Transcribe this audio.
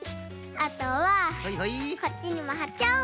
あとはこっちにもはっちゃおう。